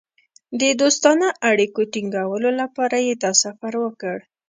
د دوستانه اړیکو ټینګولو لپاره یې دا سفر وکړ.